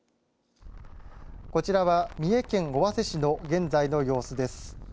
こちらは三重県尾鷲市の現在の様子です。